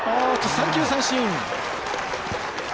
三球三振。